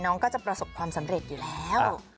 น้องก็จะประสบความสำเร็จอยู่แล้ว